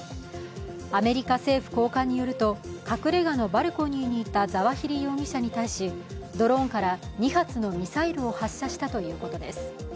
アメリカ政府高官によると隠れがのバルコニーにいたザワヒリ容疑者に対し、ドローンから２発のミサイルを発射したということです。